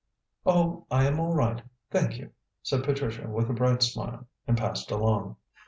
"Oh, I am all right, thank you," said Patricia with a bright smile, and passed along.